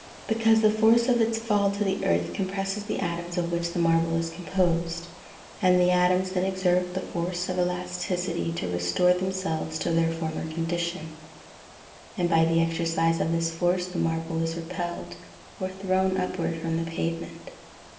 _ Because the force of its fall to the earth compresses the atoms of which the marble is composed; and the atoms then exert the force of elasticity to restore themselves to their former condition; and by the exercise of this force the marble is repelled, or thrown upward from the pavement.